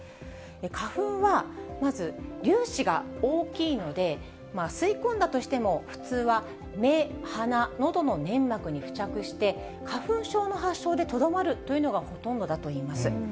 花粉はまず、粒子が大きいので、吸い込んだとしても普通は目、鼻、のどの粘膜に付着して、花粉症の発症でとどまるというのがほとんどだといいます。